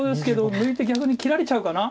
抜いて逆に斬られちゃうかな。